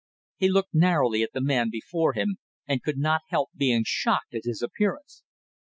He looked narrowly at the man before him, and could not help being shocked at his appearance.